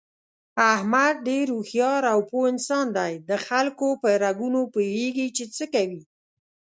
احمد ډېر هوښیار او پوه انسان دی دخلکو په رګونو پوهېږي، چې څه کوي...